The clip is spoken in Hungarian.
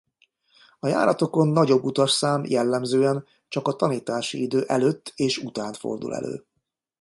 A járatokon nagyobb utasszám jellemzően csak a tanítási idő előtt és után fordul elő.